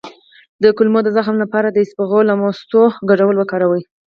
د کولمو د زخم لپاره د اسپغول او مستو ګډول وکاروئ